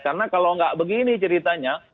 karena kalau tidak begini ceritanya